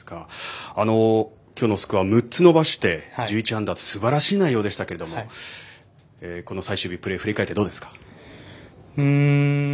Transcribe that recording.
きょうのスコア６つ伸ばして１１アンダーってすばらしい内容でしたけどこの最終日プレー振り返ってどうですか。